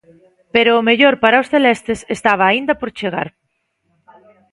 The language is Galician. Pero o mellor para os celestes estaba aínda por chegar.